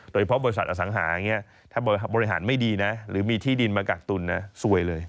โดยเฉพาะบริษัทอสังหาเนี่ยถ้าบริหารไม่ดีนะหรือมีที่ดินมากกักตุลนะซวยเลย